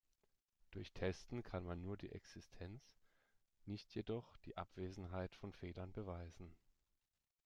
Durch Testen kann man nur die Existenz, nicht jedoch die Abwesenheit von Fehlern beweisen.